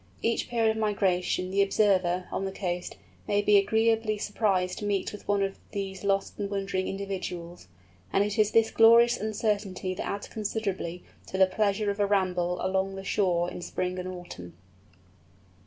Each period of migration, the observer, on the coast, may be agreeably surprised to meet with one of these lost and wandering individuals; and it is this glorious uncertainty that adds considerably to the pleasure of a ramble along the shore in spring and autumn.